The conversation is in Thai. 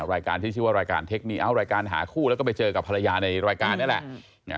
รายการที่ชื่อว่ารายการเทคนิเอาท์รายการหาคู่แล้วก็ไปเจอกับภรรยาในรายการนี่แหละ